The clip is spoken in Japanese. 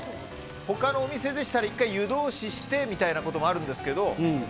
他のお店でしたら１回湯通ししてみたいなこともあるんですけど。